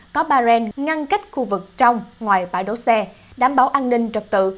có bà ren ngăn cách khu vực trong ngoài bãi đổ xe đảm bảo an ninh trật tự